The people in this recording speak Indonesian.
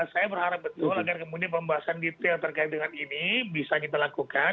saya berharap betul agar kemudian pembahasan detail terkait dengan ini bisa kita lakukan